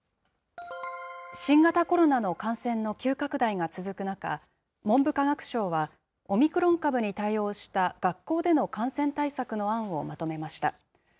新型コロナの感染の急拡大が続く中、文部科学省は、オミクロン株に対応した学校での感染対策の案をまとめました。